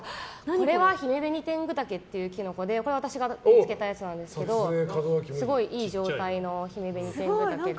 これはヒメベニテングダケといってこれは私が見つけたやつなんですけどすごいいい状態のヒメベニテングタケで。